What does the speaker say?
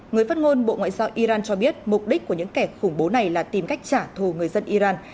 người phát ngôn bộ ngoại giao iran cho biết mục đích của những kẻ khủng bố này là tìm cách trả thù người dân iran